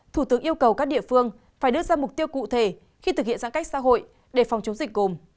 thủ tướng yêu cầu các địa phương phải đưa ra mục tiêu cụ thể khi thực hiện giãn cách xã hội để phòng chống dịch gồm